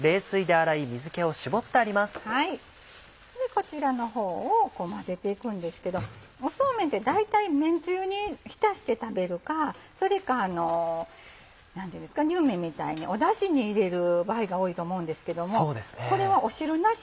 こちらの方を混ぜていくんですけどそうめんって大体麺つゆに浸して食べるかそれかにゅうめんみたいにだしに入れる場合が多いと思うんですけどもこれは汁なし。